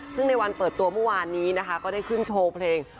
ซึ่งในวันเปิดตัวเมื่อวานนี้นะคะก็ได้ขึ้นโชว์เพลง